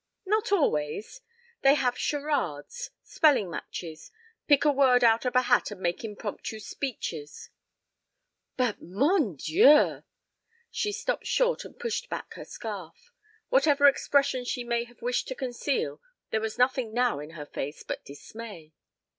"Not always. They have charades, spelling matches, pick a word out of a hat and make impromptu speeches " "But Mon dieu!" She stopped short and pushed back her scarf. Whatever expression she may have wished to conceal there was nothing now in her face but dismay.